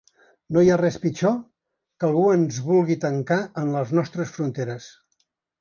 No hi ha res pitjor que algú ens vulgui tancar en les nostres fronteres.